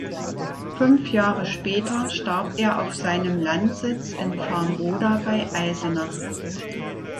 Fünf Jahre später starb er auf seinem Landsitz in Farnroda bei Eisenach.